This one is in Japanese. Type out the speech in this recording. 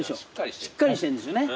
しっかりしてるんですよね。